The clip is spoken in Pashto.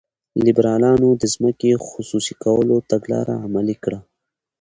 لیبرالانو د ځمکې خصوصي کولو تګلاره عملي کړه.